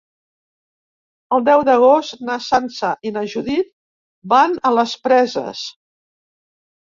El deu d'agost na Sança i na Judit van a les Preses.